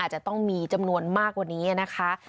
จะต้องมีจำนวนมากกว่านี้นะคะ